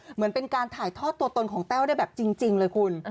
เหมือนเป็นการถ่ายทอดตัวตนของแต้วได้แบบจริงเลยคุณ